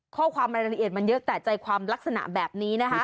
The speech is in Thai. ข้อความรายละเอียดมันเยอะแต่ใจความลักษณะแบบนี้นะคะ